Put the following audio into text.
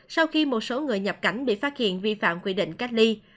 sau khi một số người nhập cảnh bị phát hiện vi phạm quy định cách ly